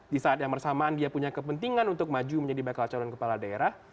di saat yang bersamaan dia punya kepentingan untuk maju menjadi bakal calon kepala daerah